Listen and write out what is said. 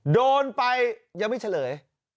โดนไปยังไม่เฉลย